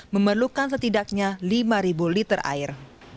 memerlukan setidaknya lima liter air